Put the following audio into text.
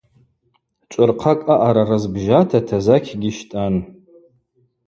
Чӏвырхъакӏ аъара рызбжьата тазакьгьи щтӏан.